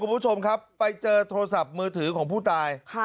คุณผู้ชมครับไปเจอโทรศัพท์มือถือของผู้ตาย